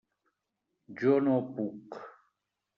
Jo no puc.